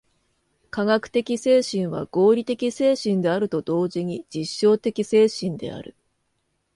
科学的精神は合理的精神であると同時に実証的精神である。